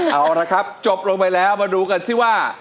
เอาละครับจบลงไปแล้วมาดูกันสิว่า